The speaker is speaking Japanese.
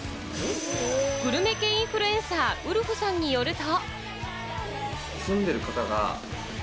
グルメ系インフルエンサー・ウルフさんによると。